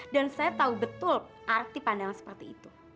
dan saya tahu betul arti pandangan seperti itu